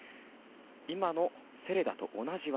今のセレダと同じ技。